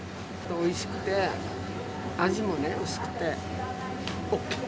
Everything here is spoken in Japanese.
おいしくて、味も薄くてＯＫ！